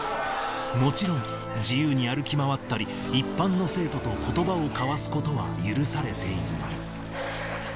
もちろん、自由に歩き回ったり、一般の生徒とことばを交わすことは許されていない。